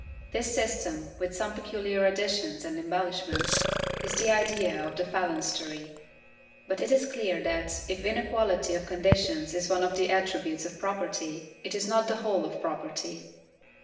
This system, with some peculiar additions and embellishments, is the idea of the phalanstery. But it is clear that, if inequality of conditions is one of the attributes of property, it is not the whole of property.